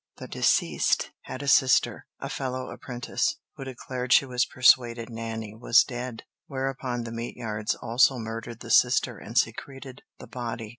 The deceased had a sister, a fellow apprentice, who declared she was persuaded "Nanny" was dead; whereupon the Meteyards also murdered the sister and secreted the body.